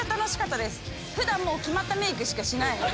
普段決まったメークしかしないので。